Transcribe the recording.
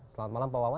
selamat malam pak wawan